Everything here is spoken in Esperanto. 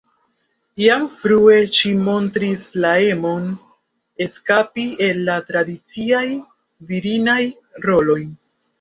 Jam frue ŝi montris la emon eskapi el la tradiciaj virinaj roloj.